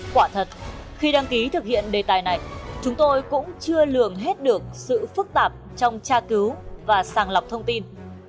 quả thật khi đăng ký thực hiện đề tài này chúng tôi cũng chưa lường hết được sự phức tạp trong tra cứu và sàng lọc thông tin